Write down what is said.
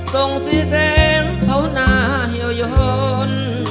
ทรงสีแสงเผาหน้าเฮียวยนต์